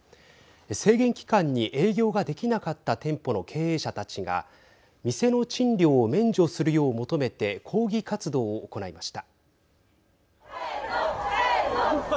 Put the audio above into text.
制限期間に営業ができなかった店舗の経営者たちが店の賃料を免除するよう求めて抗議活動を行いました。